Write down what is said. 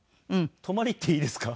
泊まり行っていいですか？